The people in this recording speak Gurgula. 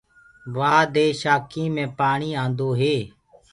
وآه دي شآکينٚ مي پآڻي آندو هي۔